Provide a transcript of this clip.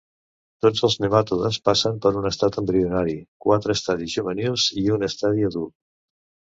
Tots els nematodes passen per un estat embrionari, quatre estadis juvenils i un estadi adult.